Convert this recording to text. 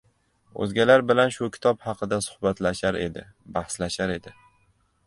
O‘zgalar bilan shu kitob haqida suhbatlashar edi, bahslashar edi.